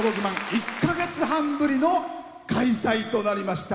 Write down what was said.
１か月半ぶりの開催となりました。